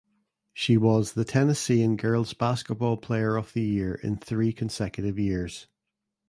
She was "The Tennessean" girls basketball player of the year in three consecutive years.